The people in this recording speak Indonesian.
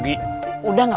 nggak usah bayar ya